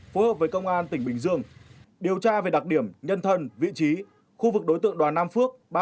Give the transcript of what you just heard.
phối hợp với công an tỉnh bình dương điều tra về đặc điểm nhân thân vị trí khu vực đối tượng đoàn nam phước